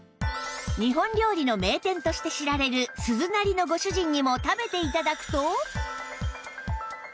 日本料理の名店として知られる鈴なりのご主人にも食べて頂くと